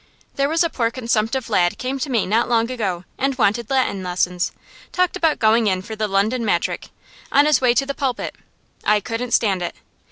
There was a poor consumptive lad came to me not long ago and wanted Latin lessons; talked about going in for the London Matric., on his way to the pulpit. I couldn't stand it.